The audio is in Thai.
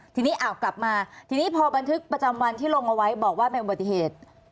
ทีนี้อ้าวกลับมาทีนี้พอบันทึกประจำวันที่ลงเอาไว้บอกว่าเป็นอุบัติเหตุ